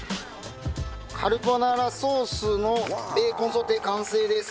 カルボナーラソースのベーコンソテー完成です。